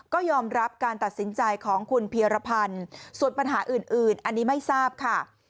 ก็ยอมรับการตัดสินใจของคุณเพียรพันธ์ส่วนปัญหาอื่นอันนี้ไม่ทราบค่ะ